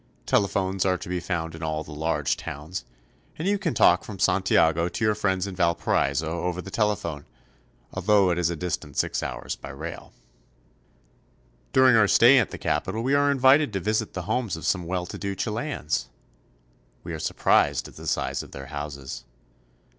Telephones are to be found in all the large towns, and you can talk from Santiago to your friends in Valparaiso over the telephone, although it is distant six hours by rail. I30 CHILE. During our stay at the capital we are invited to visit the homes of some well to do Chileans. We are surprised at the size of their houses.